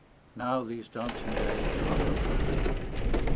Now these dancing days are over.